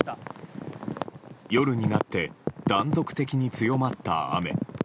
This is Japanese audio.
夜になって断続的に強まった雨。